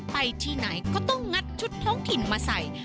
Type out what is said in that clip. ไปที่ไหนก็ต้องงัดชุดท้องถิ่นมาใส่